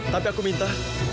tapi aku minta